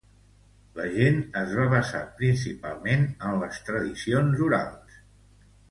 La gent es va basar principalment en les tradicions orals.